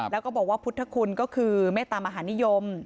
แล้วก็บอกว่าพุทธคุณก็คือเมตตามหานิยม